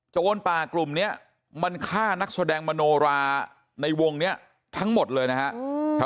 ป่ากลุ่มนี้มันฆ่านักแสดงมโนราในวงนี้ทั้งหมดเลยนะครับ